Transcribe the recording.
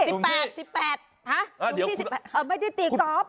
หะหลุมที่๑๑ไม่ได้ตีกรอบ